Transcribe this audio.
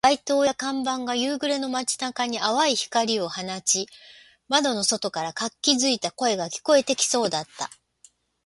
街灯や看板が夕暮れの街中に淡い光を放ち、窓の外から活気付いた声が聞こえてきそうだった